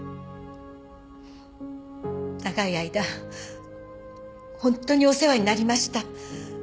長い間ホントにお世話になりました。